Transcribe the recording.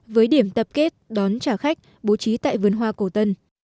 với điểm tập kết đón trả khách bố trí tại vườn hoa cổ tân